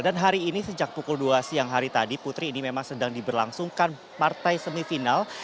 dan hari ini sejak pukul dua siang hari tadi putri ini memang sedang diberlangsungkan partai semifinal